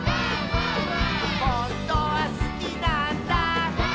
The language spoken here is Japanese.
「ほんとはすきなんだ」